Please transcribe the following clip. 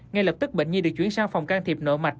ngay lập tức bệnh nhi được chuyển sang phòng can thiệp nội mạch